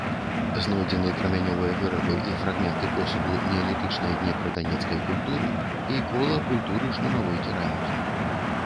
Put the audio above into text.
Знойдзены крамянёвыя вырабы і фрагменты посуду неалітычнай днепра-данецкай культуры і кола культуры шнуравой керамікі.